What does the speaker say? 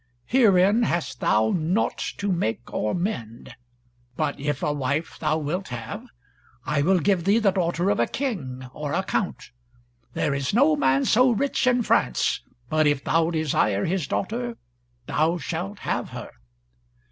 Herein hast thou naught to make or mend, but if a wife thou wilt have, I will give thee the daughter of a King, or a Count. There is no man so rich in France, but if thou desire his daughter, thou shalt have her."